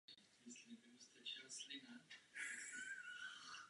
Jedna jejich tvrz pravděpodobně stála poblíž kostela.